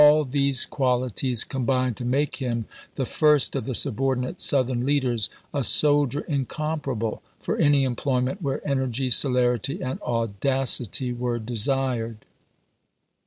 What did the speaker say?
these qualities combined to make him the first of the subordinate Southern leaders, a soldier in comparable for any employment where energy, celerity, and audacity were desired.